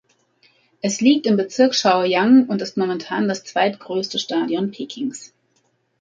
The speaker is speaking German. Es liegt im Bezirk Chaoyang und ist momentan das zweitgrößte Stadion Pekings.